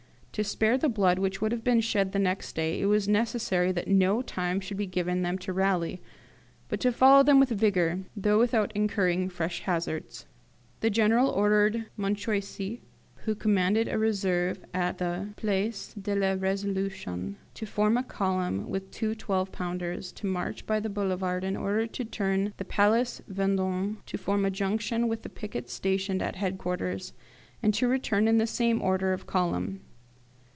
To spare the blood which would have been shed the next day it was necessary that no time should be given them to rally, but to follow them with vigour, though without incurring fresh hazards. The General ordered Montchoisy, who commanded a reserve at the Place de la Resolution, to form a column with two twelve pounders, to march by the Boulevard in order to turn the Place Vendôme, to form a junction with the picket stationed at headquarters, and to return in the same order of column.